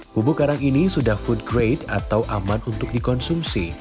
bubuk karang ini sudah food grade atau aman untuk dikonsumsi